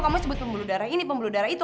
kamu sebut pembuluh darah ini pembuluh darah itu